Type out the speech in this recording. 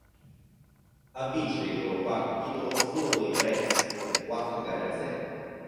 A vincere il loro quarto titolo furono i Reds per quattro gare a zero.